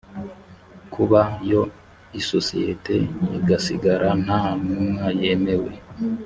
kuba yo isosiyete igasigara nta ntumwa yemewe